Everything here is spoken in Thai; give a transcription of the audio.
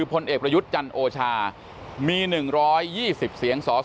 กรกตกลางได้รับรายงานผลนับคะแนนจากทั่วประเทศมาแล้วร้อยละ๔๕๕๔พักการเมืองที่มีแคนดิเดตนายกคนสำคัญ